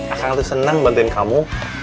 akan senang membantuin kamu